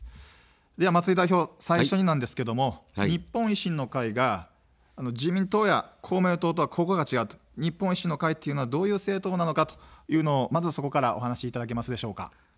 では、松井代表、最初になんですけども日本維新の会が自民党や公明党とはここが違う、日本維新の会というのはどういう政党なのかというのをまずそこからお話しいただけますでしょうか。